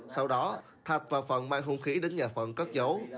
sau đó thạch và phận mang hung khí đến nhà phận cất dấu